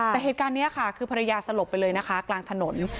แต่เหตุการณ์นี้ค่ะคือภรรยาสลบไปเลยนะคะกลางถนน